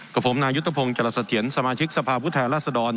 กับผมนางยุตภพงศ์จรัสเถียนสมาชิกสภาพฤทธิาราศดร